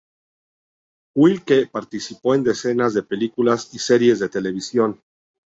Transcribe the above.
Wilke participó en decenas de películas y series de televisión.